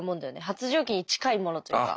発情期に近いものというか。